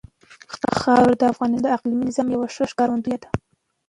خاوره د افغانستان د اقلیمي نظام یوه ښه ښکارندوی ده.